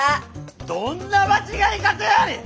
どんな間違え方やねん！